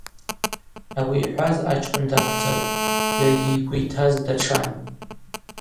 Ауи йхӏваз ачкӏвын даквдзыргӏвтӏ, йаргьи йгвы йтаз датшан.